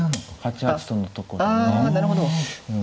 ８八とのとこでね。